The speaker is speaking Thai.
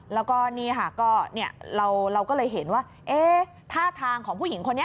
แล้วก็นี่ค่ะก็เราก็เลยเห็นว่าท่าทางของผู้หญิงคนนี้